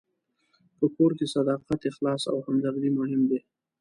په کور کې صداقت، اخلاص او همدردي مهم دي.